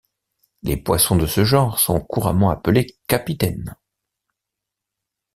Les poissons de ce genre sont couramment appelés capitaine.